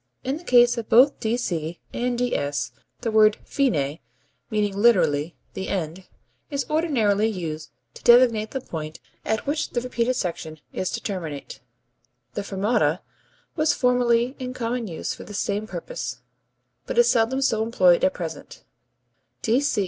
In the case of both D.C. and D.S. the word fine (meaning literally the end) is ordinarily used to designate the point at which the repeated section is to terminate. The fermata ([fermata symbol]) was formerly in common use for this same purpose, but is seldom so employed at present.